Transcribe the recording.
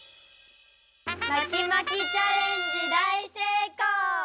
まきまきチャレンジだいせいこう！